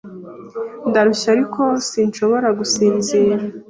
Ndarushye, ariko sinshobora gusinzira.